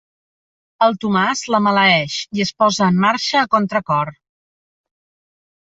El Tomàs la maleeix i es posa en marxa a contracor.